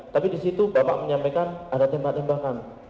tapi di situ bapak menyampaikan ada tembak tembakan